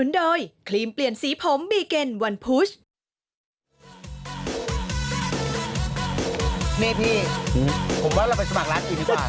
นี่พี่ผมว่าเราไปสมัครร้านกินดีกว่า